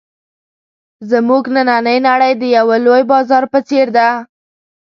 زموږ نننۍ نړۍ د یوه لوی بازار په څېر ده.